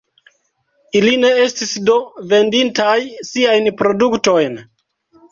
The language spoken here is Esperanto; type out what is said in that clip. Ili ne estis do vendintaj siajn produktojn?